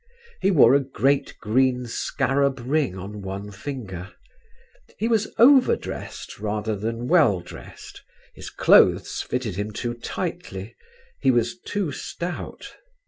He wore a great green scarab ring on one finger. He was over dressed rather than well dressed; his clothes fitted him too tightly; he was too stout.